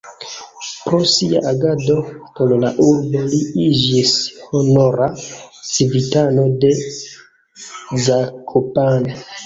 Pro sia agado por la urbo li iĝis honora civitano de Zakopane.